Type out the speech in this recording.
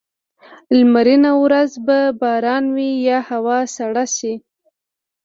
لمرینه ورځ به باران وي یا هوا سړه شي.